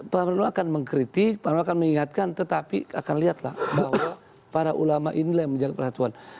para ulama akan mengkritik para ulama akan mengingatkan tetapi akan lihatlah bahwa para ulama inilah yang menjaga persatuan